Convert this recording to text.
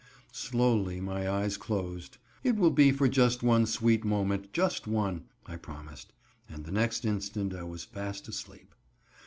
Slowly my eyes closed. "It will be for just one sweet moment, just one," I promised, and the next instant I was fast asleep.